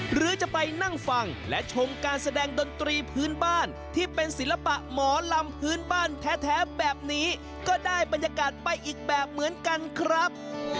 หรือจะไปนั่งฟังและชมการแสดงดนตรีพื้นบ้านที่เป็นศิลปะหมอลำพื้นบ้านแท้แบบนี้ก็ได้บรรยากาศไปอีกแบบเหมือนกันครับ